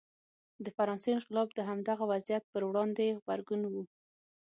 د فرانسې انقلاب د همدغه وضعیت پر وړاندې غبرګون و.